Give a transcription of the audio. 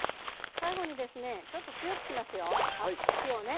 最後にですねちょっと強くしますよ火をね。